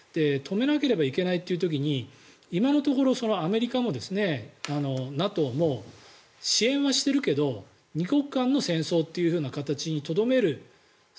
止めなければいけないという時に今のところアメリカもＮＡＴＯも支援はしているけど２国間の戦争という形にとどめる。